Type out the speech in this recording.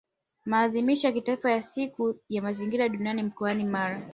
Maadhimisho ya Kitaifa ya Siku ya mazingira duniani mkoani Mara